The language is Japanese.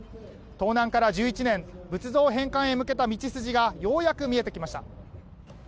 盗難から１１年仏像返還へ向けた道筋がようやく見えてきました。